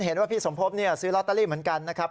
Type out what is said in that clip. เห็นว่าพี่สมภพซื้อลอตเตอรี่เหมือนกันนะครับ